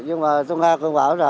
nhưng mà tương lai cơn bão